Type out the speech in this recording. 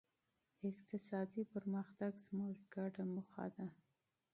اقتصادي پرمختګ زموږ ګډ هدف دی.